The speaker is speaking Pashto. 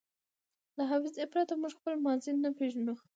له حافظې پرته موږ خپله ماضي نه پېژنو.